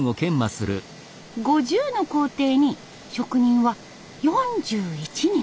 ５０の工程に職人は４１人。